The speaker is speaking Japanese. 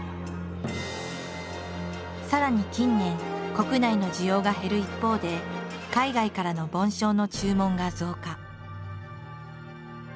さらに近年国内の需要が減る一方で海外からの梵鐘の注文が増加。